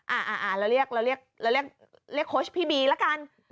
อ่าเราเรียกโค้ชพี่บีละกัน